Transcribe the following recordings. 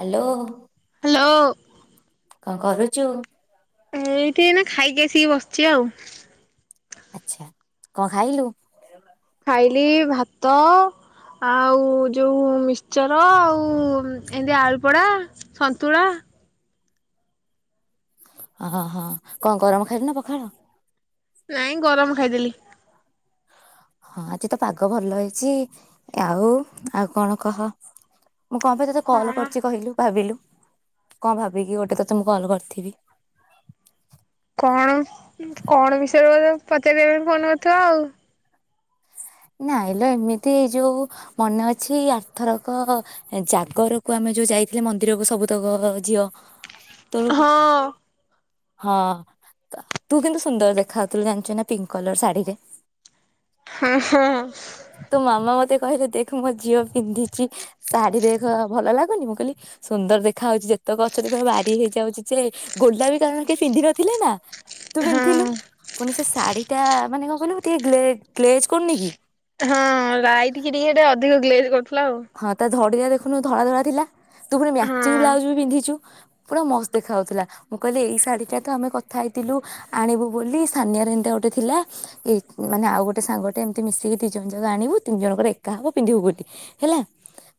Hello hello କଣ କରୁ ଜୋ ଏଇଠି ଏନା ଖାଇକି ଆସିକି ବସିଚି ଆଉ। ଆଛା କଣ ଖାଇଲୁ? ଖାଇଲି ଭାତ ଆଉ ଯୋଉ ମିକ୍ଚର ଆଉ ଏମିତି ଆଳୁପୋଡା ସନ୍ତୁଳା। ହଁ ହଁ କଣ ଗରମ ଖାଇଲୁ ନା ପଖାଳ? ନାଇଁ ଗରମ ଖାଇଦେଲି। ହଁ ଆଜି ତ ପାଗ ଭଲ ହେଇଛି ଆଉ ଆଉ କଣ କହ। ମୁଁ କଣ ପାଇଁ ତୋତେ କଲ୍ ହଁ କରିଚି କହିଲୁ ଭାବିଲୁ? କଣ ଭାବିକି ଗୋଟେ ତ ତେ ମୁଁ କଲ କରିଥିବି କଣ କଣ ବିଷୟରେ ବୋଧେ ପଚାରିଆ ପାଇଁ ଫୋନ କରିଥିବ ଆଉ। ନାଇ ଲୋ ଏମିତି ଏ ଯୋଉ ମନେ ଅଛି ଆର୍ଥରକ ଜାଗରକୁ ଆମେ ଯୋଉ ଯାଇଥିଲେ ମନ୍ଦିରକୁ ସବୁତକ ଝିଅ। ତୋର ହଁ। ହଁ ତୁ କିନ୍ତୁ ସୁନ୍ଦର ଦେଖାଉଥିଲୁ ଜାଣିଛୁ ନା ପିଙ୍କ କଲର ଶାଢୀରେ। ହଁ ହଁ ତୋ ମାମା ମତେ କହିଲେ ଦେଖ ମୋ ଝିଅ ପିନ୍ଧିଛି ଶାଢୀ ଦେଖ ଭଲ ଲାଗୁନି ମୁଁ କହିଲି ସୁନ୍ଦର ଦେଖାହାଉଛି ଯେତକ ଅଛନ୍ତି ପୁରା ବାରି ହେଇଯାଉଛି ଯେ ଗୋଲାପୀ କାରଣ କେ ପିନ୍ଧିନଥିଲେ ନା ତୁ ପିନ୍ଧିଥିଲୁ ହଁ। ପୁଣି ସେ ଶାଢ଼ୀଟା ମାନେ କଣ କହିଲୁ ଟିକେ ଗ୍ଲେ ଗ୍ଲେଜ୍ କରୁନି କି? ହାଲୋ। ଧଡ଼ି ଟା ଦେଖନୁ ଧଳା ଧଳା ଥିଲା। ତୁ ପୁଣି ମ୍ୟାଚିଂ ହଁ ବ୍ଲାଉଜ ବି ବିିନ୍ଧିଛୁ। ପୁରା ମସ୍ତ ଦେଖା ହଉଥିଲା ମୁଁ କହିଲି ଏଇ ଶାଢୀ ଟା ତ ଆମେ କଥା ହେଇଥିଲୁ ଆଣିବୁ ବୋଲି ସାନିଆରେ ଏମିତି ଗୋଟେ ଥିଲା ଏ ମାନେ ଆଉ ଗୋଟେ ସାଙ୍ଗଟେ ଏମିତି ମିଶିକି ଦି ଜଣ ଯାକ ଆଣିବୁ ତିନି ଜଣଙ୍କର ଏକା ହବ ପିନ୍ଧିବୁ ଵୋଲି। ହେଲା।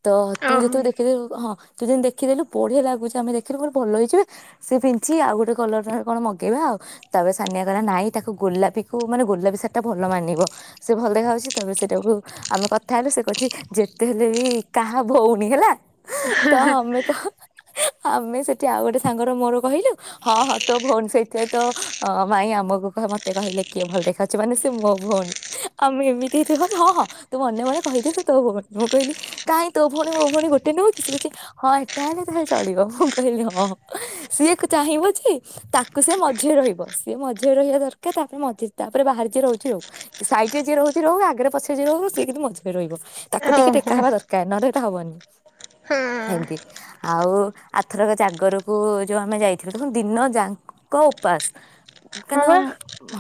ତ ତୁ ଓହୋ ଯେତେବେଳେ ଦେଖେଇହେଲୁ ହଁ ତୁ ଯେମତି ଦେଖିଦେଲୁ ବଢିଆ ଲାଗୁଛି ଆମେ ଦେଖିଲୁ ଗୋଟେ ଭଲ ହେଇଛିବେ ସେଏ ପିଞ୍ଚି ଆଉ ଗୋଟେ କଲର କଣ ମଗେଇବା ଆଉ ତାପରେ ସାନିଆ କହିଲା ନାଇଁ ତାକୁ ଗୋଲାପୀକୁ ମାନେ ଗୋଲାପୀ ସାରଟା ଭଲ ମାନିବ ସେ ଭଲ ଦେଖାହେଉଛି ତାପରେ ସେଟାକୁ ଆମେ କଥା ହେଲୁ ସେ କହିଛି ଯେ ଯେତେ ହେଲେ ବି କାହା ଭଉଣୀ ହେଲା। ହଁ ତ ମୋମି କହ ଆମେ ସେଠି ଆଉ ଗୋଟେ ସାଙ୍ଗର ମୋର କହିଲୁ ହଁ ହଁ ତୋ ଭଉଣୀ ସେଇଥିରେ ତ ଭାଇ ଆମକୁ ମୋତେ କହିଲେ କିଏ ଭଲ ଦେଖାାଉଛି ମାନେ ସେ ମୋ ଭଉଣୀ ଆମେ ଏମିତି ହେଇଥଛ ହଁ ହଁ ତୁ ମନେ ମନେ କହିଦେ ସେ ତୋ ଭଉଣୀ। ମୁଁ କହିଲି କାହିଁ ତୋ ଭଉଣୀ ମୋ ଭଉଣୀ ଗୋଟେ ନୁହଁ କି ସେ କିଛି ହଁ ଏଟା ହେଲେ ତାହେଲେ ଚଳିବ ମୁଁ କହିଲି ହଁଁ ସିଏ ଚାହିଁବ ଯେ ତାକୁ ସିଏ ମଝିରେ ରହିବ ସିଏ ମଝିରେ ରହିବା ଦରକାର ତାପରେ ମଝି ତାପରେ ବାହାରେ ଯିଏ ରହୁଛି ରହୁ ସାଇଟି ରେ ଯିଏ ରହୁଛି ରହୁ ଆଗରେ ପଛରେ ଯିଏ ରହୁ ସିଏ କିନ୍ତୁ ମଝିରେ ରହିବ ତାକୁ ଟିକେ ଓହୋ ଟେକା ହେବା ଦରକାର ନହେ- ହବନି ହଁ ଏମିତି ଆଉ ଆଥରକ ଜାଗରକୁ ଯୋଉ ଆମେ ଯାଇଥିଲୁ ଦେଖନ୍ତୁ ଦିନ ଯାକ ଉପାସ ହଁ କାହିଁକ ବା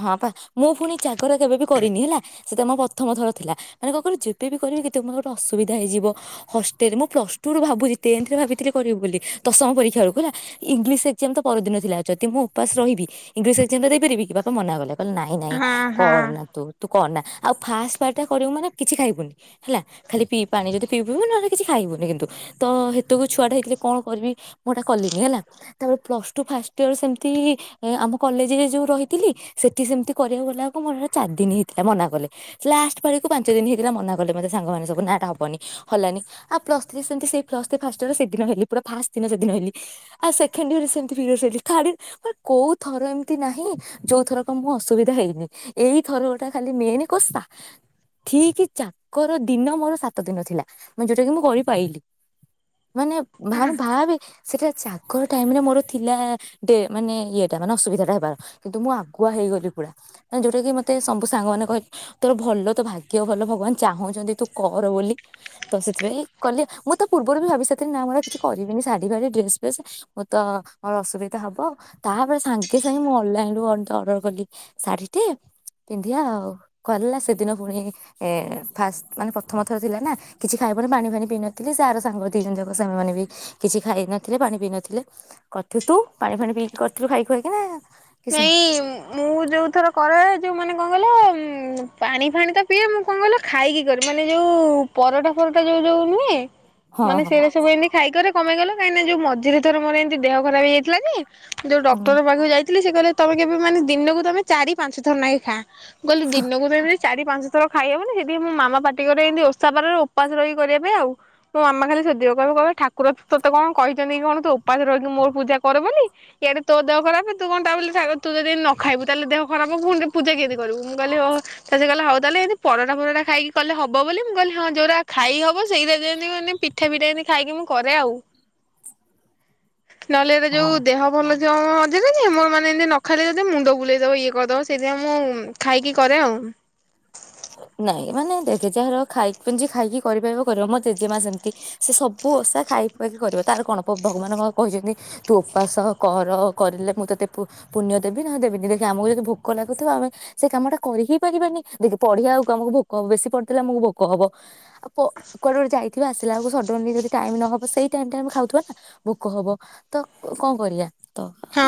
ହଁ ପା ମୁଁ ପୁଣି ଜାଗର କେବେ ବି କରିନି ହେଲା ସେ ତ ମୋ ପ୍ରଥମ ଥର ଥିଲା ମାନେ କଣ କିଲୁ ଯେବେବ କରିବି- ମୋତେ ଗୋଟେ ଅସୁବିଧା ହୋଇଯିବ ହଷ୍ଟେଲ ମୁଁ ପ୍ଲସଟୁରୁ ଭାବୁଛି ଟେନଥରେ ଭାବିଥିଲି କରିବି ବୋଲି ଦଶମ ପରୀକ୍ଷା ବେଳକୁ ହେଲା ଇଂଲିଶ ଏକ୍ସଯାମ ତ ପରଦିନ ଥିଲା ମୁଁ ଉପାସ ରହିବି ଇଂଲିଶ ଏକ୍ସଜାମ୍ ଟା ଦେଇପାରିବି କି ବାପା ମନା କଲା କହିଲ ନାଇଁ ନାଇଁ ହଁ ହଁ। କରନା ତୁ ତୁ କରନା ଆଉ ଫାଷ୍ଟ ପାଳି ଟା କରିବୁ ମାନେ କିଛି ଖାଇବୁ ନି ହେଲା ଖାଲି ପିଇ ପାଣି ଯଦି ପିଇ ନହେଲେ କିଛି ଖାଇବୁନି କିନ୍ତୁ ତ ସେତୁ ଛୁଆ ଟା ହେଇଥିଲେ କଣ କରିବି ମୁଁ ଏଇଟା କଲିନି ହେଲା ତାପରେ ପ୍ଲସ ଟୁ ଫାଷ୍ଟ ଇୟର ସେମିତି ଆମ କଲେଜରେ ଯୋଉ ରହିଥିଲି ସେଠି ସେମିତି କରିବାକୁ ଗଲାକୁ ମୋରଟ ଚାରି ଦିନ ହେଇଥିଲା ମନା କଲେ ଲାଷ୍ଟ ପକୁ ପାଞ୍ଚ ଦିନ ହେଇଥିଲା ମନା କ- ଲେ ମେ ସାଙ୍ଗମାନେ ସବୁ ନାନା ହବନି ହଲାନି ଆଉ ପ୍ଲସଥ୍ରି ସେମିତି ହେ ପୁରା ଫାଷ୍ଟ ଇୟର ସେଦିନ ହେଲି ଆଉ ପୁରା ଫାଷ୍ଟ ଦିନ ସେଦିନ ହେଲି ସେକଣ୍ଡ ଇୟଇ ରେ ସେମିତି ପିରିୟଡ଼ସ ହେଲି ଥାର୍ଡ କୋଉ ଥର ଏମିତି ନାହିଁ ଯୋଉ ଥର କ ମୁଁ ଅସୁବିଧା ହେଇନି ଏଇ ଥର ଗୋଟା ଖାଲି ମେନ୍ କସା ଠିକ୍ ଚା - ଗର ଦିନ ମୋର ସାତ ଦିନ ଥିଲା ଯୋଉଟା କି ମୁଁ କରି ପାରିଲି ମାନେ ଭାନ ଭାରେ ସେଇଟା ଜାଗର ଟାଇମ ରେ ମୋର ଥିଲା ଡେ ମାନେ ଇଏଟା ମାନେ ଅସୁବିଧା ଟା ହେବାର କିନ୍ତୁ ମୁଁ ଆଗୁଆ ହେଇଗଲି ପୁରା ଯୋଉଟା କି ମୋତେ ସବୁ ସାଙ୍ଗମାନେ କହ ତୋର ଭଲ ତ ଭାଗ୍ୟ ଭଲ ଭଗବାନ ଚାହୁଁଛନ୍ତି ତୁ କର ବୋଲି ତ ସେଥିପାଇଁ କଲି ମୁଁ ତ ପୂର୍ବରୁ ବି ଭାବି ସାରିଥିଲି ନା ମୋର କିଛି କରିବିନି ଶାଢ଼ୀ ଫାଢ଼ୀ ଡ୍ରେସ୍ ଫେସ୍ ମୁଁ ତ ମୋର ଅସୁବିଧା ହବ ତାପରେ ସାଙ୍ଗେ ସାଙ୍ଗେ ମୁଁ ଅନଲାଇନରୁୁ ଅର୍ଡର କଲି ଶାଢ଼ୀଟେ ପିନ୍ଧିବା ଆଉ କା ସେଦିନ ପୁଣି ଏ- ଫାଷ୍ଟ ମାନେ ପ୍ରଥମଥର ଥିଲା ନା କିଛି ଖାଇବାନି ପାଣି ଫାଣି ପିଇ ନଥିଲି ସେ ଆର ସାଙ୍ଗ ଦିଇ ଜଣ ଯକ ସେମାନେ ବି କିଛି ଖାଇନଥିଲେ ପାଣି ପିଇ ନଥିଲେ କରିଥିଲୁ ତୁ ପାଣି ଫାଣି ପିଇକି କରିଥିଲୁ ଖାଇକି ଖାଇକି ନା କିଛି ନାହିଁ। ନାଇଁ ମୁଁ ଯୋଉଥର କରେ ଯେଉଁ ମାନେ କଣ କହିଲ ପାଣି ଫାଣି ତ ପିଏ ମୁଁ କଣ କହିଲ ଖାଇକି କରେ ମାନେ ଯେଉଁ ପରଟା ଫରଟା ଯେଉଁ ଯେଉଁ ନୁହେଁ ହଁ ମାନେ ହଁ ସେଇଟା ସବୁ ଏମିତି ଖାଇକରେ କଣ ପାଇଁ କହିଲେ କାଇଁକିନା ଯୋଉ ମଝିରେ ଥରେ ମୋର ଏମତି ଦେହ ଖରାପ ହେଇଥିଲା କି ଯୋଉ ଡକ୍ଟର ପାଖକୁ ଯାଇ ସେ କହିଲେ ତମେ କେବେ ମାନେ ଦିନକୁ ତମେ ଚାରି ପାଞ୍ଚ ଥର ନାଇ ଖା। ମୁଁ କହିଲି ଦିନକୁ [unintelligible] ଚାରି ପାଞ୍ଚ ଥର ଖାଇ ହବନି ସେଥିପାଇଁ ମୋ ମାମା ପାଟି କରେଇ ଏମିତି ଓଷା ବାରରେ ଉପାସ ରହିି ପାଇଁ ଆଉ ମୋ ମାମା ଖାଲି ସୋଧିବ କହିବ କହିବ ଠାକୁର ତୋତେ କଣ କହିଛନ୍ତି କି କଣ ତୁ ଉପାସ ରହିକି ମୋର ପୂଜା କର ବୋଲି ଇଆଡେ ତୋ ଦେହ ଖରାପ ତୁ ଘଣ୍ଟା ବୋଲି ତୁ ଯଦି ନ ଖାଇବୁ ତାହେଲେ ଦେହ ଖରାପ ହବ ପୁଣି ଟେ ପୂଜା କେମି କରିବୁ ମୁଁ କହିଲି ହଉ ତାପରେ ସେ କହିଲା ହଉ ତାହେଲେ ଏମିତି ପରଟା ଫରଟା ଖାଇକି କଲେ ହବ ବୋଲି ମୁଁ କହିଲି ହଁ ଯୋଉରା ଖାଇ ହବ [unintelligible] ପିଠା ଫିଠା ଖାଇକି ମୁଁ କରେ ଆଉ। ନହେଲେ ଏ ହଁ। ଯୋଉ ଦେହ ଭଲ ଯୋଉ [unintelligible] ମୋର ମାନେ ଏମିତି ନ ଖାଇଲେ ଯଦି ମୁଣ୍ଡ ବୁଲେଇ ଦବ ଇଏ କରିଦବ ସେଇଥିପାଇଁ ମୁଁ ଖାଇକି କରେ ଆଉ। ନାଇଁ ମାନେ ଦେଖେ ଯାହାର ଖାଇକି ପିଜି ଖାଇକି କରିପାରିବ କରିବ ମୋ ଜେଜେମା ସେମିତି ସେ ସବୁ ଓଷା ଖାଇ ପିଇକି କରିବ ତାର କଣ ଭଗବାନ କହିଛନ୍ତି ତୁ ଉପାସ କର କରିଲେ ମୁଁ ତୋତେ ପୁଣ୍ୟ ଦେବି ନହେଲେ ଦେବିନି ଦେଖେ ଆମକୁ ଯଦି ଭୋକ ଲାଗୁଥିବ ଆମେ ସେ କାମ ଟା କରି ହିଁ ପାରିବାନି ଦେଖେ ପଢିବା ଆକୁ ଆମକୁ ଭୋକ ହବ ବେଶୀ ପଢିଥିଲେ ଆମକୁ ଭୋକ ହବ ପ କୁଆଡ଼େ ଗୋଟେ ଯାଇ ଆସିଲା ବେଳକୁ ସଡନ ଯଦି ଟାଇମ ନହବ ସେଇ ଟାଇମ ଆମେ ଖାଉଥିବା ନା ଭୋକ ହବ ତ କଣ କରିବା। ତ ହଁ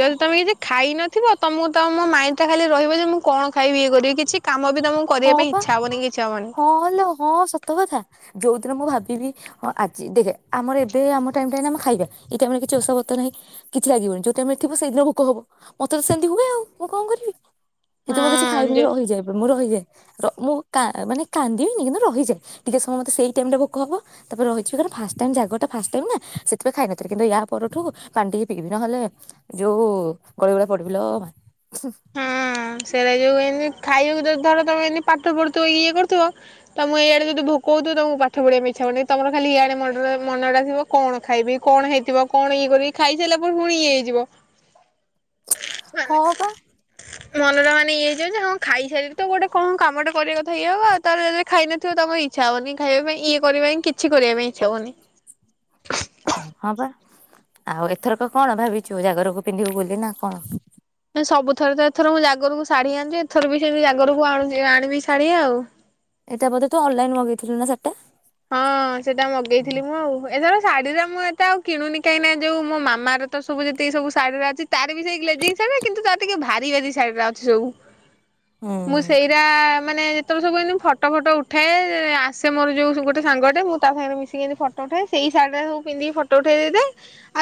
ଯଦି ତମେ ଯଦି ଖାଇ ନଥିବ ତମକୁ ତ ମୋ ମାଇଣ୍ଡ ଟା ଖାଲି ରହିବ ଯେ ମୁଁ କଣ ଖାଇବି ଇଏ କରିବି କିଛି କାମ ବି ତମକୁ କରିବା ହଁ ପାଇଁ ପା ଇଚ୍ଛା ହବନି କିଛି ହବନି। ହଁ ଲୋ ହଁ ସତ କଥା ଯୋଉ ଯେତେବେଳେ ମୁଁ ଭାବିବି ହଁ ଆଜି ଦେଖେ ଆମର ଏବେ ଆମ ଟାଇମ୍ ଟା ଏଇନା ଖାଇବା ଏଇ ଟାଇମ ରେ କିଛି ଓଷା ବ୍ରତ ନାହିଁ କିଛି ଲାଗିବନି ଯୋଉ ଟାଇମ ରେ ଥିବ ସେଇଦିନ ଭୋକ ହବ ମତେ ତ ସେମିତି ହୁଏ ଆଉ ମୁଁ କଣ କରିବି। ସେଥି ମୁଁ କିଛି ହଁ ଖାଇବିନି ଯୋଉ ରହିଯାଏ। ରହିଯାଏ ମୁଁ ମାନେ କାନ୍ଦିବିନି କିନ୍ତୁ ରହିଯାଏ ଟିକେ ସମୟ ମତେ ସେଇ ଟାଇମରେ ଭୋକ ହବ ତାପରେ ରହିଯିବି କାରଣ ଫାଷ୍ଟ୍ ଟାଇମ୍ ଜାଗରଟା ଫାଷ୍ଟ ଟାଇମ୍ ନା ସେଥିପାଇଁ ଖାଇନଥିଲି କିନ୍ତୁ ୟା ପରଠୁ ପାଣି ଟିକେ ପିଇବି ନହଲେ ଯୋଉ ଗଳି ଗୋଳା ପଡିବି ଲୋ ମା ହଁ ସେରା ଯୋଉ ଏମତି- ଖାଇବାକୁ ଯଦି ଧର ତମେ ଏମତି ପାଠ ପଢୁଥିବ ଇଏ କରୁଥିବ ତ ମୁଁ ଏଇଆଡେ ଯଦି ଭୋକ ହଉଥିବ ତମକୁ ପାଠ ପଢିବା ପାଇଁ ଇଚ୍ଛା ହବନି ତମର ଖାଲି ଇଆଡେ ମୁଣ୍ଡ ରହିବ ମନଟା ଥିବ କଣ ଖାଇବି କଣ ହେଇଥିବ କଣ ଇଏ କରିବି ଖାଇସାରିଲା ପରେ ପୁଣି ଇଏ ହେଇଯିବ। ମାନେ ହଁ ପା ମନଟା ମାନେ ଇଏ ହେଇଯିବ ଯେ ହଁ ଖାଇସାରିଲି ତ ଗୋଟେ କଣ କାମ ଟା କରିବା କଥା ଇଏ ହବ ଆ ତାର ଯଦି ଖାଇନଥିବ ତମର ଇଚ୍ଛା ହବନି ଖାଇବା ପାଇଁ ଇଏ କରିବା ପାଇଁ ହିଁ କିଛି କରିବା ପାଇଁ ଇଚ୍ଛା ହବନି। ଆ ହଁ ବା ଆଉ ଏଥରକ କଣ ଭାବିଛୁ ଜାଗରକୁ ପିନ୍ଧିବୁ ବୋଲି ନା କଣ? ସବୁଥର ତ ଏଥର ମୁଁ ଜାଗରକୁ ଶାଢୀ ଆଣିଛି ଏଥର ବି ସେ ଜାଗରକୁ ଆଣିବି ଶାଢୀ ଆଉ। ଏଇଟା ବୋଧେ ତୁ ଅନଲାଇନ ମଗେଇଥିଲୁ ନା ଶାଢ଼ୀ ଟା ହଁ ସେଟା ମଗେଇଥିଲି ମୁଁ ଆଉ ଏଥର ଶାଢୀରେ ମୁଁ ଏତେ ଆଉ କିଣୁନି କାଇଁନା ଯୋଉ ମୋ ମାମାର ତ ସବୁ ଯେତିକି ସବୁ ଶାଢୀ ଗୁଡ଼ା ଅଛି। ତାର ବି ସେଇ ଗ୍ଲେଜୀଙ୍ଗ ଶାଢ଼ୀ କିନ୍ତୁ ତାର ଟିକେ ଭାରୀ କି କି ଶାଢ଼ୀ ବ୍ଲାଉଜ୍ ସବୁ? ହୁଁ ମୁଁ ସେଇରା ମାନେ ତ ମୁଁ ସବୁ ଫଟୋ ଫଟ ଉଠାଏ ଆସେ ମୋର ଯୋଉ ଗୋଟେ ଗୋଟେ ମୁଁ ତା ସାଙ୍ଗରେ ମିଶିକି ଫଟୋ ଉଠେଇଏ ସେଇ ଶାଢୀରେ ସବୁ ପିନ୍ଧିକି ଫଟୋ ଉଠେଇ ଦେଇଥାେ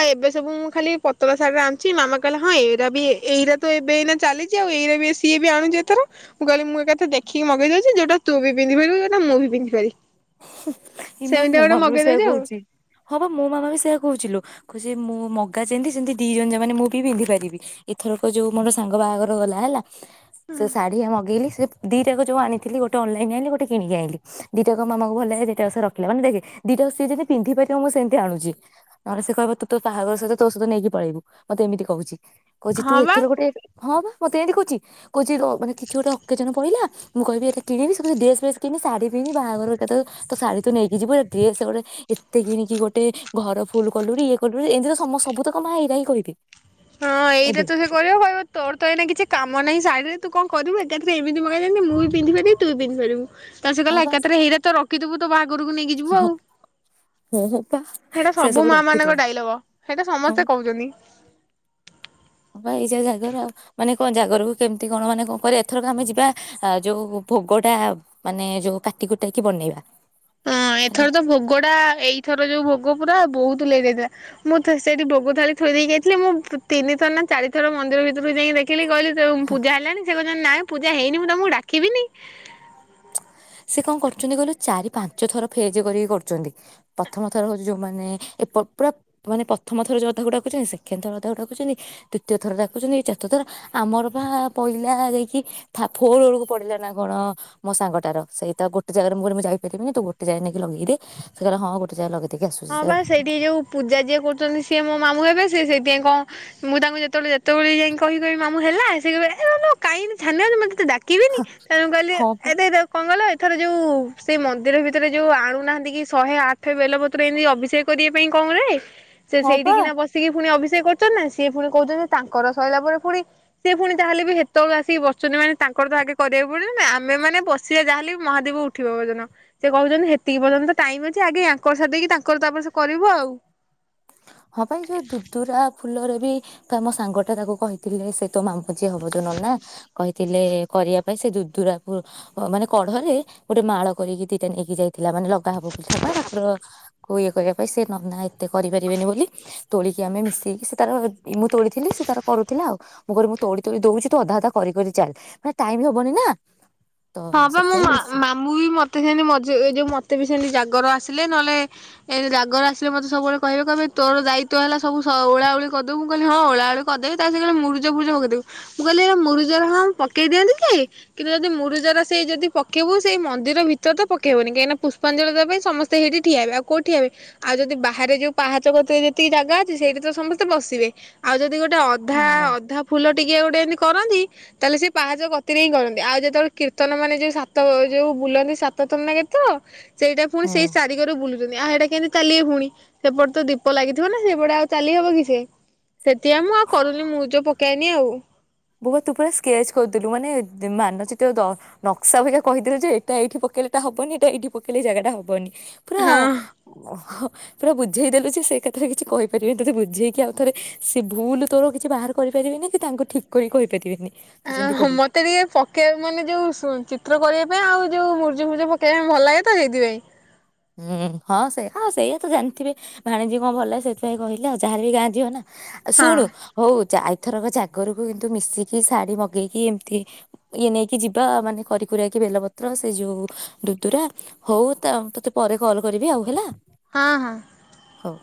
ଆଉ ଏବେ ସବୁ ମୁଁ ଖାଲି ପତଲ ଶାଢୀରେ ଆଣିଛି ମାମା କହିଲେଁ ଏଇା ବି ଏଇଟା ତ ଏବେ ଏନା ଚାଲିଛି ଆଉ ଏଇ ବି ବି ଆଣୁଛି ଏଥର ମୁଁ କହିଲି ମୁଁ ଏକଥା ଦେଖିକି ମଗେଇଉଛିଉଟା ତୁ ବି ପିଧିପାରିବୁଉଟା ମୁଁ ବି ପିନ୍ଧିପିବି ଇମା ମୋ ମାମା ବି ସେୟଆ ଆଉ। କହୁଛି ହଁ ବା ମୋ ମାମା ବି ସେଇୟା କହୁଥିଲୁ କଛି ମୁଁ ମଗା ଯେିନ୍ଧି ସେମିତି ଦି ଜଣ ଯା ମେ ମୁଁ ବି ପିନ୍ଧି ପିବିଥରକ ଯୋଉ ମୋର ସାଙ୍ଗ ବାହାଘର ଗଲା ହେଲା। ସେ ଶାଢୀ ମଗେଇଲି ସେ ଦିଟା ଯୋଉ ଆଣିଥିଲି ଗୋଟ ଅନଲନ ଆଲି ଗୋଟେ କିିକି ଆଣିଲି ଦିଇଟା ମା ଭଲ ଲାଗେ ଦିଟାସଷରେ ରଖିଲ ମାନ ଦେ ଦିଟା ସେି ଯିଧିାରିବ ମୁଁ ସେମତିଣୁଛି ନହେ ସେ କହିବ ତୁ ତ ତାହାଘର ସହିତ ତୋ ସହିତ ନେଇକିଳେଇବୁ ମତେ ଏମିତି କହୁଛି। କହୁଛି ତୁ ହଁ ବା ଏଥର ଗୋଟେ ହଁ ବା ମତେ ଏମି କହୁଛି କହୁଛି ମାନ କି ଗୋଟେ ଅକେଜ ପିଲା ମୁଁ କିବିଇଟ କିଣିବି ଡ୍ରେସେ କିି ଶଢୀଣିବି ବାହାଘର ସେ ତ ଶାଢୀ ତ ନେଇକି ଯିବୁ ଡ୍ରେସ ଗୋଟେ ଏତେ କିଣିକି ଗୋଟେ ଘର ଫୁଲ କଲୁ ଇଏ କଲୁ ଏତି ତ ସମସ୍ତ ସବୁ ତ କମା ହେଇ ହିଁ କହିବେ ହଁ ଏଇଟା ଏବେ ତ ସେ କରିବ କହିବ ତୋର ତ ଏଇନା କିଛି କାମ ନାହିଁ ଶାରୀରେ ତୁ କଣ କରୁ ଏକା ତ ଏମିତି ମଗାଇ ମୁଁ ପିନ୍ଧିରିବି ତୁ ପିନ୍ଧିରିବୁ ତ ସେ କହିଲ ହଁ ବା ଏକାଥରେ ହେଇରେ ତ ରଖିଥିବୁ ତ ବାହାଘରକୁ ନେଇକି ଯିବୁ ଆଉ ହଁ ହଁ ବା ସେଇଟା ସେ ସବୁ ମା ମାନଙ୍କ ରଖିଥିବା ଡାଇଲଗ ସେଇଟା ସମସ୍ତେ କହୁଛନ୍ତି। ହ ଏଇ ଯା ଜାଗର ଆଉ ମାନେ କଣ ଜାଗରକୁ କେମିତି କଣ ମାନେ କଣ କହ ଏଥରକ ଆମେ ଯିବା ଯୋଉ ଭୋଗଟା ମାନେ ଯୋଉ କାଟିକୁୁଟାକି ବନେଇବା ହଁ ହେଲା ଏଥର ତ ଭୋଗଡା ଏଇଥର ଯୋଉ ଭୋଗ- ଭୋଗ ପୁରା ବହୁତ ଲେଟ୍ ହେଇଥିଲା ମୁଁ ସେଇଠି ଭୋଗ ଥାଳି ଥୋଇ ଦେଇକି ଯାଇଥିଲି ମୁଁ ତିନିଥର ନା ଚାରିଥର ମନ୍ଦିର ଭିତରେ ଯାଇକି ଦେଖିଲି- କହିଲି ସେ ପୂଜା ହେଲାଣି ସେ- ନା ନାଇଁ ପୂଜା ହେଇନି ମୁଁ ତମକୁ ଡାକିବିନି- ସେ କଣ କରୁଛନ୍ତି କହିଲ ଚାରି ପାଞ୍ଚ ଥର ଫେଜ କରିକି କରୁଛନ୍ତି, ପ୍ରଥମ ଥର ହଉଛି ଯୋଉମାନେ ଏ ପୁରା ମାନେ ପ୍ରଥମ ଥର ଯୋଥାକୁ ଡାକୁଛନ୍ତି ସେକେଣ୍ଡ ଥର ଅଧାକୁ ଡାକୁଛନ୍ତି ତୃତୀୟ ଥର ଡାକୁଛନ୍ତି ଚତୁର୍ଥ ଥର ଆମର ବା ପହିଲା ଯାଇକି ଭୋର ବେଳକୁ ପଡିଲା ନା କଣ ମୋ ସାଙ୍ଗଟାର- ସେଇଟା ଗୋଟେ ଜାଗାରେ ମୁଁ ଯାଇପାରିବିନି ତୁ ଗୋଟେ ଜାଗା ନେଇକି ଲଗେଇ ଦେ ସେ କହିଲା ହଁ ଗୋଟେ ଜାଗରେ ଲଗେଇ- ଦେଇକି ଆସୁଛି ହଁ ବା ସେ- ସେଇଠିକି ଯୋଉ ପୂଜା ଯିଏ କରୁଛନ୍ତି ସିଏ ମୋ ମାମୁ ହେବେ- ସେଇଥିପାଇଁ କଣ ମୁଁ ତାଙ୍କୁ ଯେତେବେଳେ ଯେତେବେଳେ ଯାଇ କହି କହିବି ମାମୁ ହେଲା ସେ କାହିଁକି ଛାନିଆ ହଉଛୁ ମୋତେ- ଡାକିବିନି ତେଣୁ କହିଲି ହଁ ପା ଏତେ ଏ କଙ୍ଗଲ ଏ- ଥର ଯୋଉ ସେ ମନ୍ଦିର ଭିତରେ ଯୋଉ ଆଣୁନାହାନ୍ତି କି ଶହେ ଆଠ ବେଲ ବତ ଏମିତି ଅଭିଷେକ କରିବା ପାଇଁ କଣରେ- ସେ ହଁ ପା ସେଇଠିନା ବସିକି ପୁଣି ଅ- ସେ କରୁଛନ୍ତି ନା ସି ପୁଣି କହୁଛନ୍ତି ତାଙ୍କର ସରିଲା ପରେ ପୁଣି ସେ ପୁଣି ତାହେଲେ ବି ସେତେବେଳ ଆସିକି ବଚଛନ୍ତି ମାନେ ତାଙ୍କର ତ ଆଗେ କରିବାକୁ ପଡିବ ନା। ଆମେ ମାନେ ବସିବା ଯାହାେଲେ ମହାଦେବ ଉଠ ଉଠିବ ପର୍ଯ୍ୟନ୍ତ ସେ କହୁଛନ୍ତି ହେତିକି ପର୍ଯ୍ୟନ୍ତ ତ ଟାଇମ ଅଛି ଆଗ ଆଙ୍କର ସାକି ତାଙ୍କର ତାପରେ ସେ କରିବ ଆଉ। ହଁ ବା ଏଇ ଯୋଉ ଦୁଦୁରା ଫୁଲରେ ବି ତମୋ ସାଙ୍ଗ ଟା ତାକୁ କହିଥିଲେ ସେ ତୋ ମାମୁ ଯିଏ ହବ ଯୋଉ ନନା କହିଥିଲେ କରିବା ପାଇଁ ସେ ଦ ଦୁର ମାନେ କଢରେ ଗୋଟେ ମାଳ କରିକି ଦିଟା ନେଇକି ଯାଇଥିଲା ମାନେ ଲଗା ହବ ବୋଲି ତାଙ୍କର ଇଏ କରିବା ପାଇଁ ସେ ନନା ଏତେ ଯିବେନି ବୋଲି ତୋଳିକି ଆମେ ମିଶେଇକି ସେ ତାର ମୁଁ ତୋଳିଥିଲି ସେ ତାର କରୁଥିଲା ଆଉ ମୁଁ କ ମୁଁ ତୋଳି ତୋଳି ଦଉଛି ତୁ ଅଧା ଅଧା କରିିକ ଚାଲ ମାନେ ଟାଇମ ହବନି ନା। ତ ହଁ ବା ମୋ ସେଥିପାଇଁ ମା ମିଶି ମାମୁଁ ବି ମତେ ସେ ମଜ ଏ ଯୋଉ ମତେ ବି ସେ ଜାଗର ଆସିଲେ ନହେଲେ ଜାଗର ଆସିଲେ ମତେ ସବୁବେଳେ କହିବେ କହିବେ ତୋର ଦାୟିତଵ ହେଲା ସବୁ ଓଳାଉଳି କରିଦବ ମୁଁ କହିଲି ହଁ ଓଳାଉଳି କରିଦେବି ତା ସେ କହିଲେ ମୁରୁଜ ପୁଜ ପକେଇଦେବୁ ମୁଁ କହିଲି ମୁରୁଜ ହଁ ପକେଇ ଦିଅନି ଯେ କିନ୍ତୁ ଯଦି ମୁରୁଜ ରା ସେ ଯଦି ପକେଇବୁ ସେଇ ମନ୍ଦିର ଭିତରେ ତ ପକେଇବନି କାହିଁ ନା ପୁଷ୍ପା୍ଳ ଦେବା ପାଇଁ ସମସ୍ତେ ସେଠି ଠିଆବେ ଆଉ କଉଠଆ ହେବେ ଆଉ ଯଦି ବାହାରେ ଯୋଉ ପାହାଚ ଯେତିକି ଜାଗା ଅଛି ସେଇଠି ତ ସମସ୍ତେ ବସିବେ ଆଉ ଯଦି ଗୋଟେ ହଁ ଅଧା ଅଧା ଫୁଲ ଟି ଟିକ ଗୋଟେ ଏମତି କରନ୍ତି ତାହଲେ ସେ ପାହାଚ କ କତିରେ ହିଁ କରନ୍ତି ଆଉ ଯେତେବେଳେ କୀର୍ତ୍ତନ ମାନେ ଯୋଉ ସାତ ଯୋଉ ବୁଲନ୍ତି ସାତ ଥର ମାନେ ତ ସେଇଟା ପୁଣି ହୁଁ। ସେଇ ଚାରିଗରେ ବୁଲୁଛନ୍ତି ଆ [unintelligible] କେମିତି ଚାଲ ପୁଣି ସେପଟେ ତ ଦୀପ ଲାଗିଥିବ ନା ସେପଟେ ଆଉ ଚାଲିହବ କି। ସେଥିଆ ମୁଁ ଆଉ କରୁନି ମୁଁ ପକେଇନି ଆଉ ବୋଉ ତୁ ପୁରା ସ୍କେଚ୍ କରିଦେଲୁ ମାନେ ମାନଚିତ୍ର ନକ୍ସା ଭିକା କହିଥିଲୁ ଯେ ଏଟା ଏଇଠି ପକେଇଲେଟା ହବନି ଏଟା ଏଇଠି ପକେଇଲେ ଜାଗାଟା ହବନି। ପୁରା ପୁରା ବୁଝେଇଦେଲୁଯେ ସେ କଥାରେ କିଛି କହିପାରିବନି ତତେ ବୁଝେଇକି ଆଉ ଥରେ ସେ ଭୁଲ ତୋର କିଛି ବାହାର କରିପାରିବେନି କି ତାଙ୍କୁ ଠିକ୍ କରିିକ କହିପାରିବେନି। ତୁ ଯେମିତି କହୁଛୁ। ମତେ ଟିକେ ପକେଇ ମାନେ ଯୋଉ ଶୁ ଚିତ୍ର କରିବା ପାଇଁ ଆଉ ଯୋଉ ମୁର୍ଜି ଫୁଜ ପକେଇବା ପାଇଁ ଭଲ ଲାଗେ ତ ସେଇଥିପାଇଁ। ହୁଁ ହଁ ସେ ହ ସେଇଆ ତ ଜାଣିଥିବେ ଭାଣିଜୀ କଣ ଭଲ ସେଥିପାଇଁ କହିଲେ ଆଉ ଯାହାର ବିି ଗାଁ ଝିଅ ନା। ହଁ ଶୁଣୁ ହୋଉ ଚା। ଏଥରକ ଜାଗରକୁ କିନ୍ତୁ ମିଶିକି ଶାଢ଼ୀ ମଗେଇକି ଏମିତି ଇଏ ନେଇକି ଯିବା ମାନେ କରିକକି ବେଲପତ୍ର ସେ ଯୋଉ ଦୁଦୁରା ହୋଉ ତତେ ପରେ କଲ୍ କରିବି ଆଉ ହେଲା। ହଁ ହଁ। ହୋଉ।